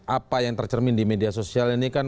apa yang tercermin di media sosial ini kan